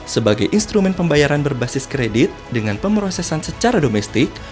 sebagai instrumen pembayaran berbasis kredit dengan pemrosesan secara domestik